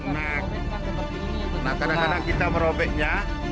nah kadang kadang kita merobeknya